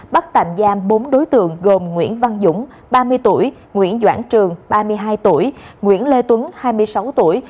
bắt tạm giam bốn đối tượng gồm nguyễn văn dũng ba mươi tuổi nguyễn doãn trường ba mươi hai tuổi nguyễn lê tuấn hai mươi sáu tuổi